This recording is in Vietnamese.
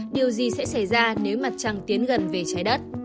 điều gì sẽ xảy ra nếu mặt trăng tiến gần về trái đất